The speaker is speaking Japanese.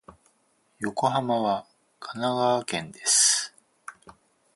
横浜は神奈川県です。